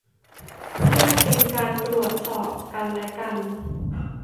เพื่อเป็นการตรวจสอบกันและกัน